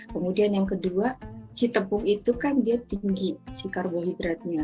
kemudian yang kedua si tepung itu kan dia tinggi si karbohidratnya